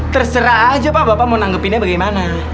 terserah aja pak bapak mau nanggepinnya bagaimana